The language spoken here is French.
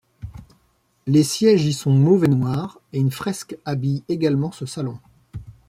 Les sièges y sont mauves et noirs, et une fresque habille également ce salon.